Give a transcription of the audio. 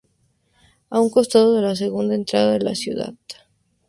A un costado de la segunda entrada de la ciudad.